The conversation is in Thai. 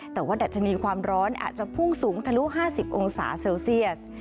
แต่ว่าดัชนีความร้อนอาจจะพุ่งสูงทะลุ๕๐องศาเซลเซียส